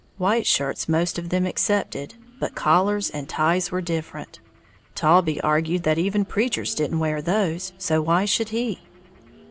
White shirts most of them accepted, but collars and ties were different, Taulbee argued that even preachers didn't wear those, so why should he?